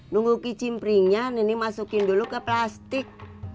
tunggu kicim teling nya nini masukin ke plastik